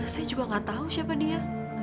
saya juga gak tahu siapa dia